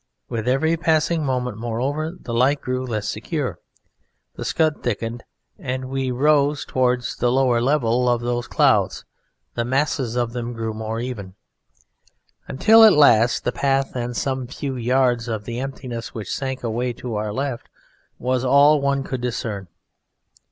With every passing moment, moreover, the light grew less secure, the scud thickened, and as we rose towards the lower level of those clouds the mass of them grew more even, until at last the path and some few yards of the emptiness which sank away to our left was all one could discern.